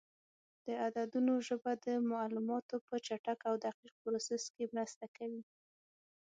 د عددونو ژبه د معلوماتو په چټک او دقیق پروسس کې مرسته کوي.